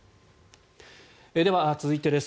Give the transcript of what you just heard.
では、続いてです。